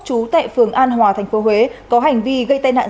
chú thị dung chú thị dung chú thị dung chú thị dung chú thị dung